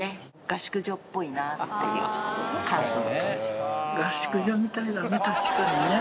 合宿所っぽいなっていうちょっと簡素な感じだね